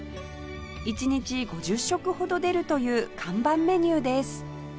１日５０食ほど出るという看板メニューです